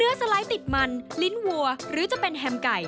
สไลด์ติดมันลิ้นวัวหรือจะเป็นแฮมไก่